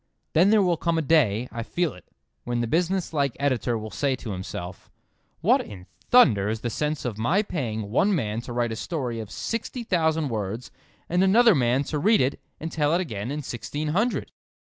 Then there will come a day—I feel it—when the business like Editor will say to himself: "What in thunder is the sense of my paying one man to write a story of sixty thousand words and another man to read it and tell it again in sixteen hundred!"